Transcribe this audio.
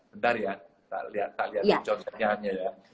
bentar ya kita lihat contohnya ya